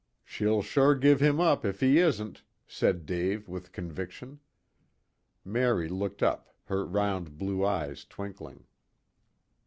"She'll sure give him up, if he isn't," said Dave with conviction. Mary looked up, her round blue eyes twinkling.